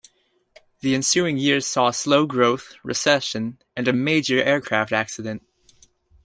The ensuing years saw slow growth, recession, and a major aircraft accident.